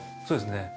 そうですね。